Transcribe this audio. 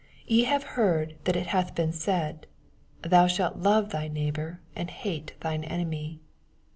48 Ye have heard that it hath been said, Thon shalt lore thy neighbor, and hate thine enemy.